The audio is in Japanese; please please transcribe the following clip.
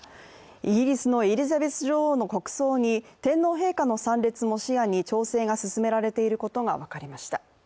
イギリスのエリザベス女王の国葬に天皇陛下の参列も視野に調整が進められていることが分かりました。